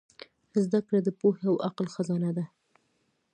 زدهکړه د پوهې او عقل خزانه ده.